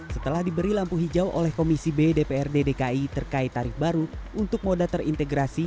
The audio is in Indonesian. setelah diberi lampu hijau oleh komisi b dprd dki terkait tarif baru untuk moda terintegrasi